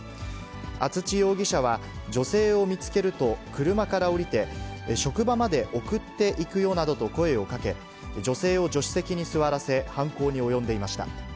厚地容疑者は、女性を見つけると車から降りて、職場まで送っていくよなどと声をかけ、女性を助手席に座らせ犯行に及んでいました。